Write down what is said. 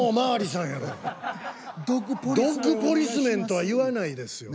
「ドッグポリスメン」とは言わないですよ。